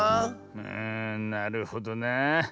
うんなるほどなあ。